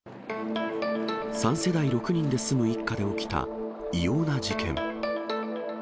３世代６人で住む一家で起きた異様な事件。